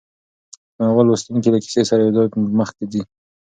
د ناول لوستونکی له کیسې سره یوځای مخکې ځي.